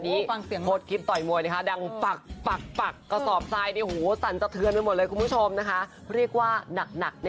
อย่างที่บอกนะคะนำจิตอกจิตใจนะคะ